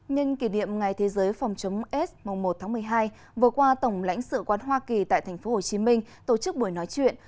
nhân kỷ niệm ngày thế giới phòng chống aids mùng một tháng một mươi hai vừa qua tổng lãnh sự quán hoa kỳ tại tp hcm tổ chức buổi nói chuyện